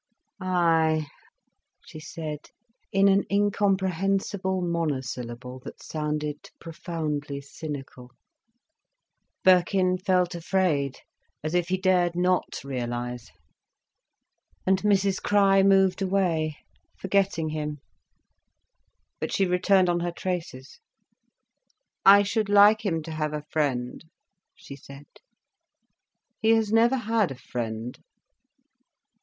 "Ay," she said, in an incomprehensible monosyllable, that sounded profoundly cynical. Birkin felt afraid, as if he dared not realise. And Mrs Crich moved away, forgetting him. But she returned on her traces. "I should like him to have a friend," she said. "He has never had a friend."